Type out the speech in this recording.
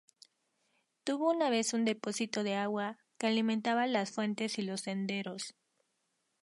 Tuvo una vez un depósito de agua, que alimentaba las fuentes y los senderos.